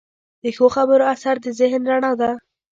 د ښو خبرو اثر د ذهن رڼا ده.